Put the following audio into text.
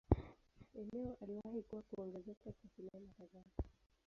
Eneo aliwahi kuwa kuongezeka kwa sinema kadhaa.